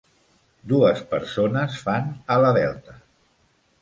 Dues persones fan ala-delta.